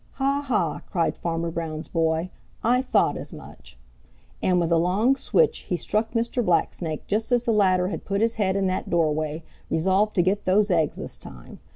"Ha, ha!" cried Farmer Brown's boy, "I thought as much!" And with a long switch he struck Mr. Blacksnake just as the latter had put his head in that doorway, resolved to get those eggs this time.